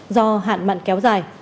do hạn mặn kéo dài